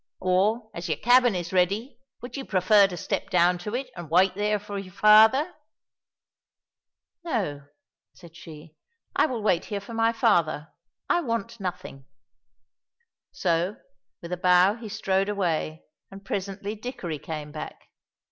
Or, as your cabin is ready, would you prefer to step down to it and wait there for your father?" "No," said she, "I will wait here for my father. I want nothing." So, with a bow he strode away, and presently Dickory came back.